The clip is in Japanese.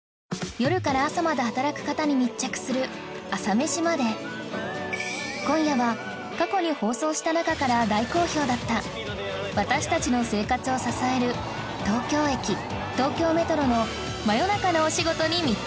夜から朝まで働く方に密着する今夜は過去に放送した中から大好評だった私たちの生活を支える東京駅東京メトロの真夜中のお仕事に密着